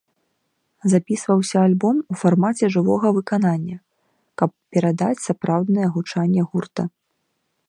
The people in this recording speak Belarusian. Запісваўся альбом у фармаце жывога выканання, каб перадаць сапраўднае гучанне гурта.